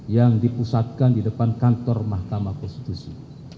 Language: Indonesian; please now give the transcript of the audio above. yang dipusatkan di depan kantor mahkamah konstitusi